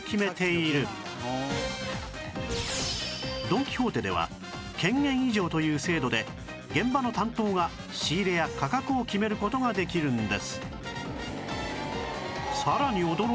ドン・キホーテでは権限委譲という制度で現場の担当が仕入れや価格を決める事ができるんです